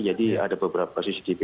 jadi ada beberapa cctv